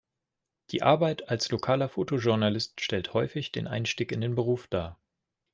Die Arbeit als lokaler Fotojournalist stellt häufig den Einstieg in den Beruf dar.